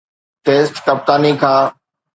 test ڪپتاني کان